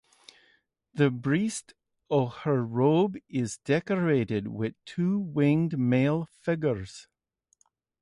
The breast of her robe is decorated with two winged male figures.